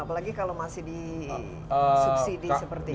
apalagi kalau masih di subsidi seperti ini